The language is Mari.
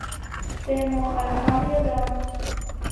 Те мо, аракам йӱыда?